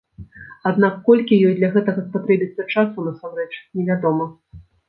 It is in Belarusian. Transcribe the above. Аднак колькі ёй для гэтага спатрэбіцца часу, насамрэч, невядома.